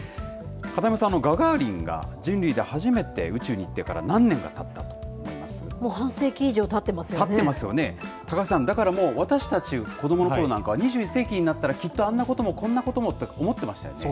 片山さん、ガガーリンが人類で初めて宇宙に行ってから何年がたっもう半世紀以上たっていますたっていますよね、高橋さん、私たち、子どものころなんかは、２１世紀になったら、きっとあんなこともこんなこともって思ってましたよね？